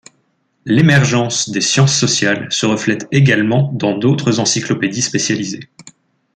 L'émergence des sciences sociales se reflète également dans d'autres encyclopédies spécialisées.